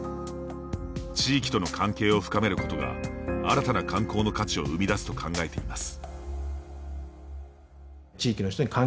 地域との関係を深めることが新たな観光の価値を生み出すと考えています。